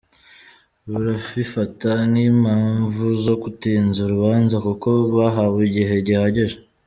Burabifata nk’impamvu zo gutinza urubanza kuko bahawe igihe gihagije .